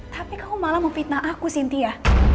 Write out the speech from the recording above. tapi kamu malah memfitnah aku sintia